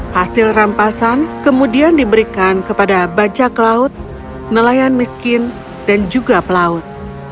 hasil rampasan kemudian diberikan kepada bajak laut nelayan miskin dan juga pelaut